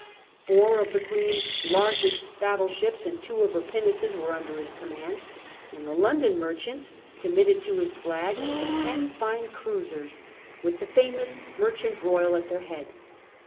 Four of the Queen's largest battle ships and two of her pinnaces were under his command, and the London merchants committed to his flag ten fine cruisers, with the famous Merchard Royal at their head.